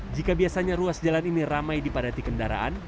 jika biasanya ruas jalan ini ramai dipadati kendaraan